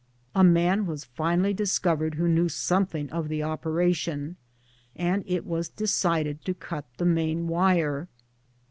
A man was finally discovered who knew something of oper ating, and it was decided to cut the main wire.